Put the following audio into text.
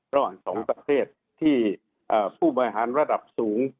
รอบสองประเทศที่ผู้อาหารระดับสูง